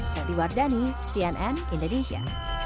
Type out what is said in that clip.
sari wardani cnn indonesia